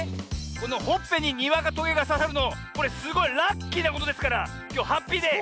このほっぺににわかとげがささるのこれすごいラッキーなことですからきょうハッピーデー。